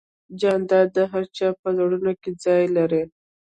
جانداد د هر چا په زړونو کې ځای لري.